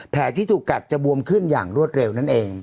ที่ถูกกัดจะบวมขึ้นอย่างรวดเร็วนั่นเอง